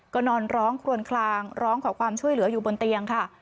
ก็นอนร้องครวนคลางร้องขอความช่วยเหลืออยู่บนเตียงค่ะ